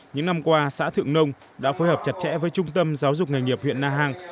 những năm qua xã thượng nông đã phối hợp chặt chẽ với trung tâm giáo dục nghề nghiệp huyện na hàng